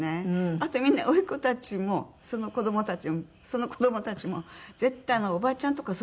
あとみんな甥っ子たちもその子どもたちもその子どもたちも絶対「おばちゃん」とかそういう言い方しないので。